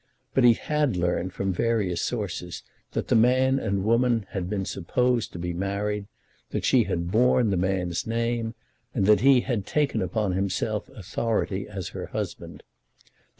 But he had learned from various sources that the man and woman had been supposed to be married, that she had borne the man's name, and that he had taken upon himself authority as her husband.